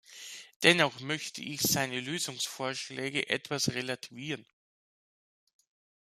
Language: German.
Dennoch möchte ich seine Lösungsvorschläge etwas relativieren.